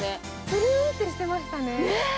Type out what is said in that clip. ツルンてしてましたね。